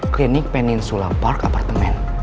klinik peninsula park apartemen